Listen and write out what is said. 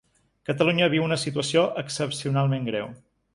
Catalunya viu una situació excepcionalment greu.